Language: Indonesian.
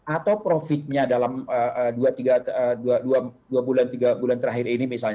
atau profitnya dalam dua bulan